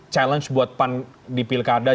challenge buat pan di pilkada